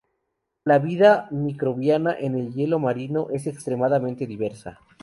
La vida microbiana en el hielo marino es extremadamente diversa.